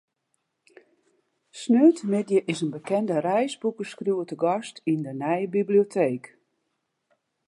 Sneontemiddei is in bekende reisboekeskriuwer te gast yn de nije biblioteek.